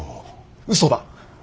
うそだ。